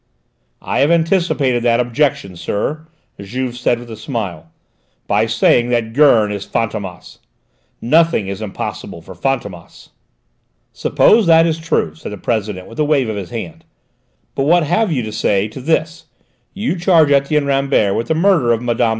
"I have anticipated that objection, sir," Juve said with a smile, "by saying that Gurn is Fantômas! Nothing is impossible for Fantômas!" "Suppose that is true," said the President with a wave of his hand, "but what have you to say to this: you charge Etienne Rambert with the murder of Mme.